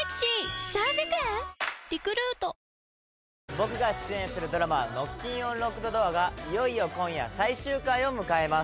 僕が出演するドラマ『ノッキンオン・ロックドドア』がいよいよ今夜最終回を迎えます。